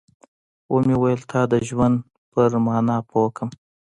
ومې ويل تا د ژوند پر مانا پوه کړم.